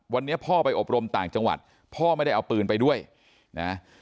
วันนี้พ่อไปอบรมต่างจังหวัดพ่อไม่ได้เอาปืนไปด้วยนะ